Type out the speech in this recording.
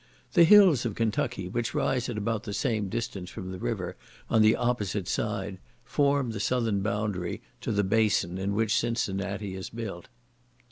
The hills of Kentucky, which rise at about the same distance from the river, on the opposite side, form the southern boundary to the basin in which Cincinnati is built.